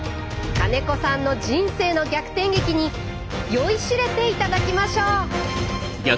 金子さんの人生の逆転劇に酔いしれて頂きましょう！